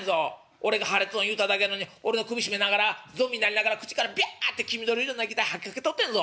俺が破裂音言うただけやのに俺の首絞めながらゾンビになりながら口からビャッて黄緑色の液体吐きかけとってんぞ」。